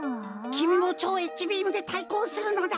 きみも超Ｈビームでたいこうするのだ。